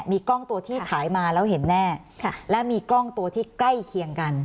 มีกล้องตัวที่ฉายมาแล้วเห็นแน่และมีกล้องตัวที่ใกล้เคียงกัน